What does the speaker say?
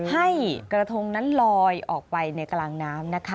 ให้กระทงนั้นลอยออกไปในกลางน้ำนะคะ